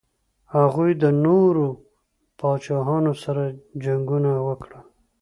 هغوی د نورو پاچاهانو سره جنګونه وکړل.